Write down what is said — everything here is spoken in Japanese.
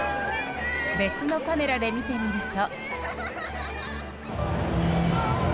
別のカメラで見てみると。